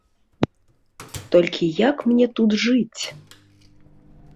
Толькі як мне тут жыць?